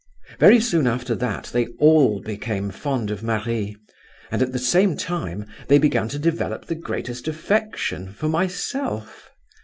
Very soon after that they all became fond of Marie, and at the same time they began to develop the greatest affection for myself.